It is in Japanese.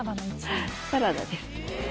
サラダです。